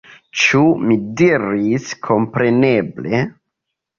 Ĉu mi diris kompreneble?